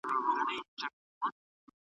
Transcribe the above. قاتله